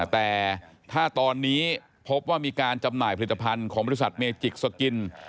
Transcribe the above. แต่ถ้าตอนนี้พบว่ามีการจำหน่ายผลิตภัณฑ์ของบริษัทเมจิกสกิน